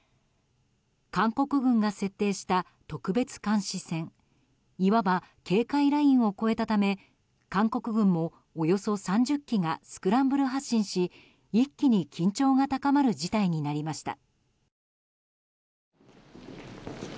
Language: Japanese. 韓国軍が設定した特別監視線いわば、警戒ラインを越えたため韓国軍もおよそ３０機がスクランブル発進し一気に緊張が高まる事態になりました。